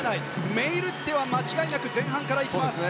メイルティテは間違いなく前半から行きます。